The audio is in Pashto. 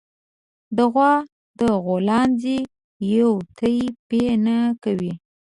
د غوا د غولانځې يو تی پئ نه کوي